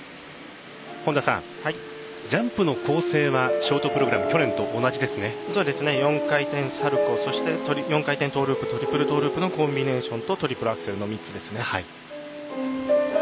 本田さん、ジャンプの構成はショートプログラム４回転サルコウそして４回転トゥループトリプルトゥループのコンビネーションとトリプルアクセルの３つです。